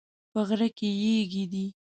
په غره کې یږي دي